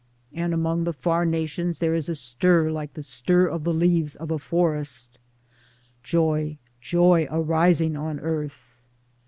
And among the far nations there is a stir like the stir of the leaves of a forest. Joy, Joy arising on Earth